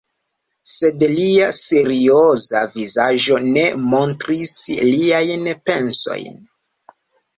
Sed lia serioza vizaĝo ne montris liajn pensojn.